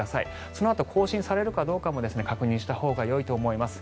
そのあと更新されるかどうかも確認したほうがよいと思います。